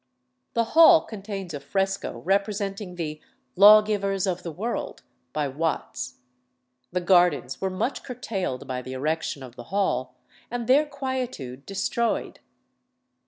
The hall contains a fresco representing the "Lawgivers of the World," by Watts. The gardens were much curtailed by the erection of the hall, and their quietude destroyed.